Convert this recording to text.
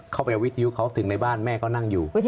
ไปเอาวิทยุเขาถึงในบ้านแม่ก็นั่งอยู่